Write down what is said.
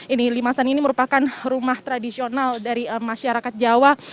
ini limasan ini merupakan rumah tradisional dari masyarakat jawa